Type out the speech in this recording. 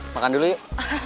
makan dulu yuk